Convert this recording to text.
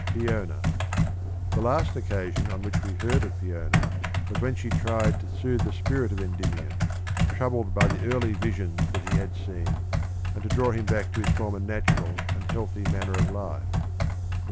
The last occasion on which we heard of Peona was v»on». when she tried to soothe the spirit of Endymion, troubled by the early visions that he had seen, and to draw him back to his former natural and healthy manner of life (I.